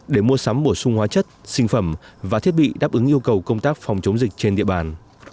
để mua sắm bổ sung hóa chất sinh phẩm và thiết bị đáp ứng yêu cầu công tác phòng chống dịch trên địa bàn